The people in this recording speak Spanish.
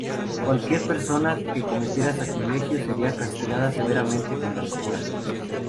Cualquier persona que cometiera sacrilegio, sería castigada severamente con la locura.